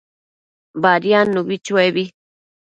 Badiadnubi chuebi